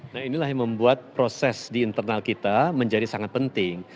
nah inilah yang membuat proses di internal kita menjadi sangat penting